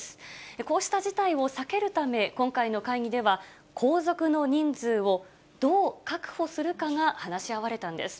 こうした事態を避けるため、今回の会議では、皇族の人数をどう確保するかが話し合われたんです。